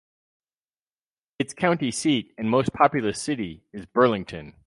Its county seat and most populous city is Burlington.